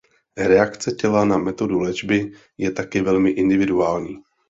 Reakce těla na metodu léčby je taky velmi individuální.